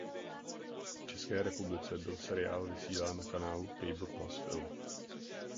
V České republice byl seriál vysílán na kanálu Cable Plus Film.